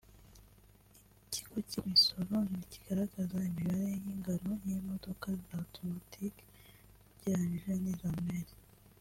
Ikigo cy’imisoro ntikigaragaza imibare y’ingano y’imodoka za automatic ugereranije n’iza manuel